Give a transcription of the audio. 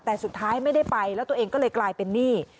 แต่สุดท้ายไม่ได้ไปแล้วตัวเองก็เลยกลายเป็นหนี้